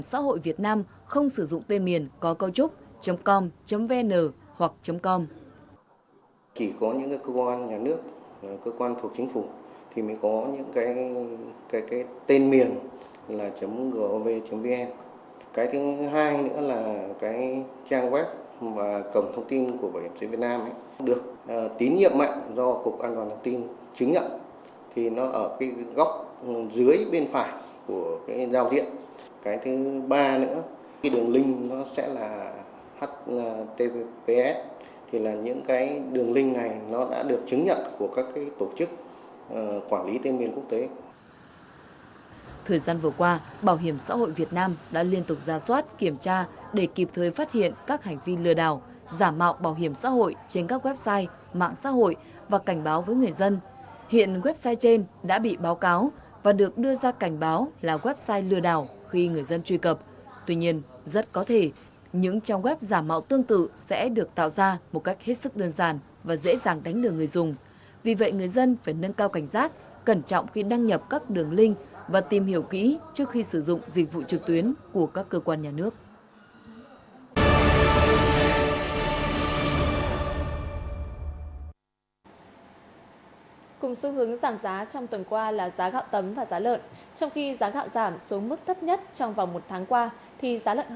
cùng xu hướng giảm giá trong tuần qua là giá gạo tấm và giá lợn trong khi giá gạo giảm xuống mức thấp nhất trong vòng một tháng qua thì giá lợn hơi cũng liên tục giảm và chưa có dấu hiệu phục hồi